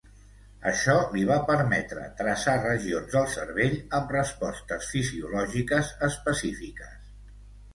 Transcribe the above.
Això li va permetre traçar regions del cervell amb respostes fisiològiques específiques.